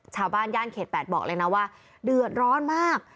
ย่านเขต๘บอกเลยนะว่าเดือดร้อนมาก